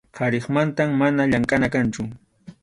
qariqmantam mana llamkʼana kanchu.